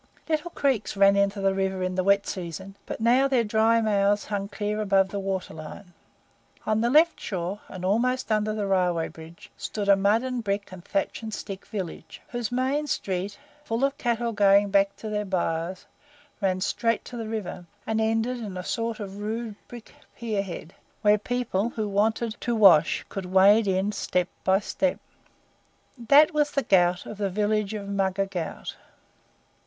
Little creeks ran into the river in the wet season, but now their dry mouths hung clear above water line. On the left shore, and almost under the railway bridge, stood a mud and brick and thatch and stick village, whose main street, full of cattle going back to their byres, ran straight to the river, and ended in a sort of rude brick pier head, where people who wanted to wash could wade in step by step. That was the Ghaut of the village of Mugger Ghaut.